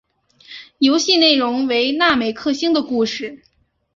游戏内容为那美克星的故事。